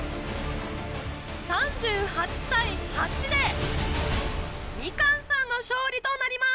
３８対８でみかんさんの勝利となります。